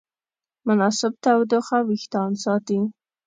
مناسب تودوخه وېښتيان ساتي.